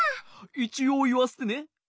いちおういわせてね。